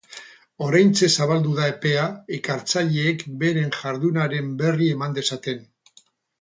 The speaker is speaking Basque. Oraintxe zabaldu da epea ikertzaileek beren jardunaren berri eman dezaten.